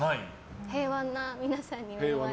平和な皆さんに囲まれて。